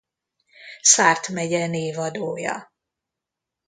Sarthe megye névadója.